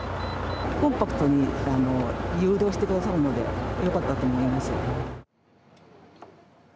コンパクトに誘導してくださるのでよかったと思います。